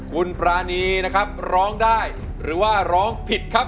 คุณปรานีนะครับร้องได้หรือว่าร้องผิดครับ